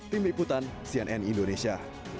tim liputan cnn indonesia